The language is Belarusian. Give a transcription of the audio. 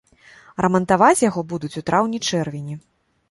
Рамантаваць яго будуць у траўні-чэрвені.